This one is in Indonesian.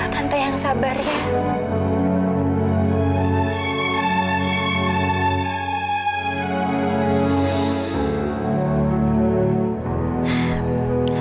tante yang sabarnya